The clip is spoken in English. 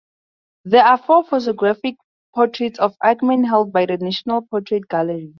There are four photographic portraits of Aikman held by the National Portrait Gallery.